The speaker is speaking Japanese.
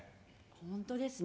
本当ですね。